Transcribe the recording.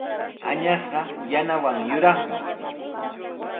Añasqa yanawan yuraqmi.